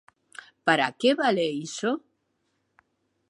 ¿Para que vale iso?